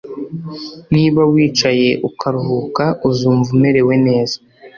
Niba wicaye ukaruhuka uzumva umerewe neza